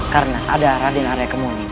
karena ada radin arya kemuni